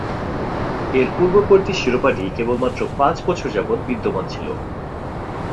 এর পূর্ববর্তী শিরোপাটি কেবলমাত্র পাঁচ বছর যাবত বিদ্যমান ছিল।